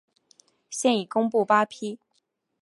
现已公布八批。